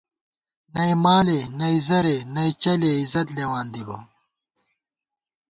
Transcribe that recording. نئ مالے نئ زرے نئ چَلے عزت لېوان دِبہ